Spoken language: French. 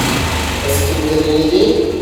Est-ce que vous allez l'aider ?